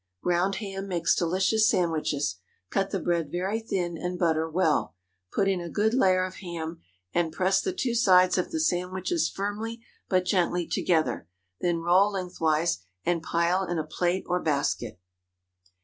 Ground ham makes delicious sandwiches. Cut the bread very thin, and butter well. Put in a good layer of ham, and press the two sides of the sandwiches firmly, but gently, together. Then roll lengthwise, and pile in a plate or basket.